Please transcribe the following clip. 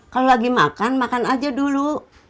kalau lagi makan makan aja dulu